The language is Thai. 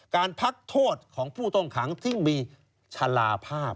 การพักโทษของผู้ต้องขังที่มีชะลาภาพ